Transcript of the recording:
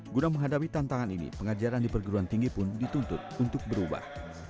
guna menghadapi tantangan ini pengajaran di perguruan tinggi pun dituntut untuk berubah